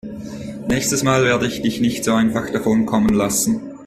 Nächstes Mal werde ich dich nicht so einfach davonkommen lassen.